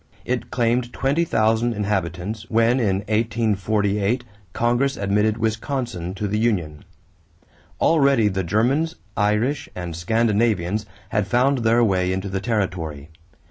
It claimed twenty thousand inhabitants, when in 1848 Congress admitted Wisconsin to the union. Already the Germans, Irish, and Scandinavians had found their way into the territory.